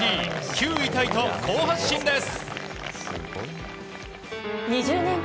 ９位タイと好発進です。